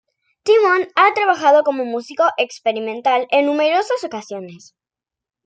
Timón ha trabajado como músico experimental en numerosas ocasiones.